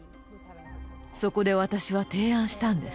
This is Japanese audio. そこで私は提案したんです。